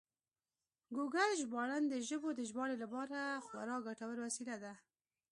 ګوګل ژباړن د ژبو د ژباړې لپاره خورا ګټور وسیله ده.